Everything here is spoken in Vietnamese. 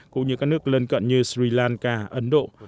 cũng như các nước lân cận như sri lanka ấn độ